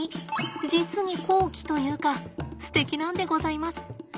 実に高貴というかステキなんでございます。